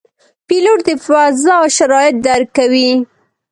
پیلوټ د فضا شرایط درک کوي.